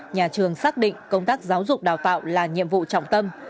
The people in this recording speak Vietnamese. nhà trường xác định công tác giáo dục đào tạo là nhiệm vụ trọng tâm